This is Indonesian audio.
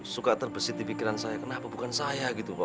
suka terbesit di pikiran saya kenapa bukan saya gitu pak